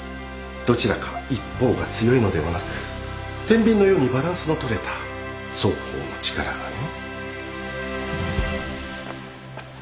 どちらか一方が強いのではなくてんびんのようにバランスのとれた双方の力がね。